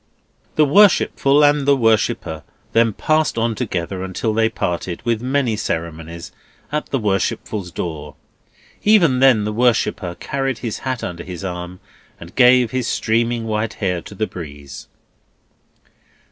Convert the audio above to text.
The Worshipful and the Worshipper then passed on together until they parted, with many ceremonies, at the Worshipful's door; even then the Worshipper carried his hat under his arm, and gave his streaming white hair to the breeze.